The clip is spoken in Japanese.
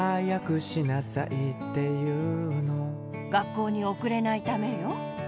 学校におくれないためよ。